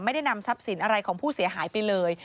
นำทรัพย์สินอะไรของผู้เสียหายไปเลย